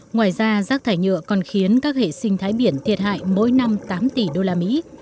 ngoài ra rác thải nhựa còn khiến các hệ sinh thái biển thiệt hại mỗi năm tám tỷ usd